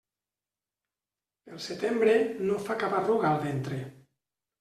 Pel setembre, no fa cap arruga el ventre.